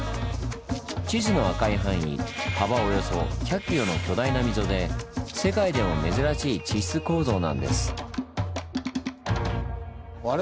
地図の赤い範囲幅およそ１００ｋｍの巨大な溝で世界でも珍しい地質構造なんです。